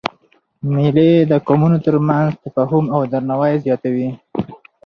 مېلې د قومونو تر منځ تفاهم او درناوی زیاتوي.